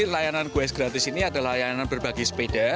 layanan goes gratis ini adalah layanan berbagi sepeda